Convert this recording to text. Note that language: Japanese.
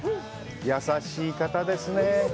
優しい方ですね。